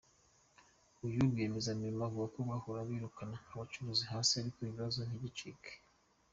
Uyu rwiyemezamirimo avuga ko bahora birukana abacururiza hasi ariko ikibazo ntigicika.